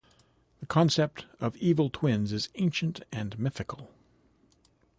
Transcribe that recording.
The concept of evil twins is ancient and mythical.